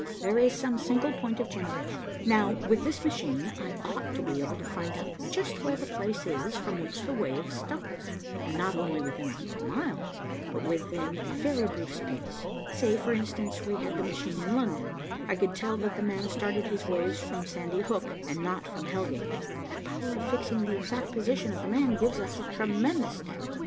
There is some single point of generation. Now, with this machine, I ought to be able to find out just where the place is from which the wave starts, and not only within a hundred miles, but within a very brief space. Say, for instance, we had the machine in London, I could tell that 'the man' started his waves from Sandy Hook, and not from Hell Gate. That power of fixing the exact position of 'the man' gives us a tremendous step."